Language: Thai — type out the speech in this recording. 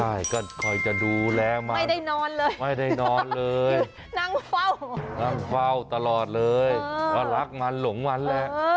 ใช่ก็คอยจะดูแลมันไม่ได้นอนเลยนั่งเฝ้าตลอดเลยเพราะรักมันหลงมันแหละ